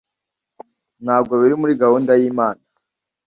Ntabwo biri muri gahunda y’Imana